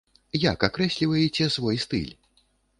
Як акрэсліваеце свой стыль?